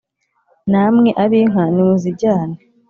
Namwe ab'inka nimuzijyane